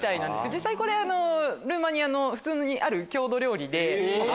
実際これルーマニアの普通にある郷土料理で。